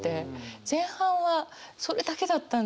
前半はそれだけだったんだって